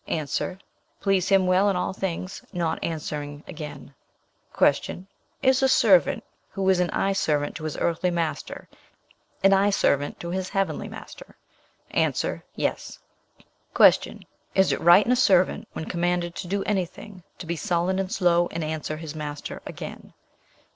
A. 'Please him well in all things, not answering again.' "Q. Is a servant who is an eye servant to his earthly master an eye servant to his heavenly master? A. 'Yes.' "Q. Is it right in a servant, when commanded to do any thing, to be sullen and slow, and answer his master again?